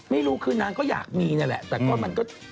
ไม่รู้คือนางก็อยากมีนี่แหละแต่ก็มันก็